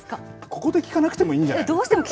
ここで聞かなくてもいいんじゃない。